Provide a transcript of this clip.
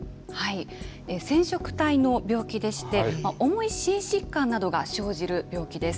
染色体の病気でして、重い心疾患などが生じる病気です。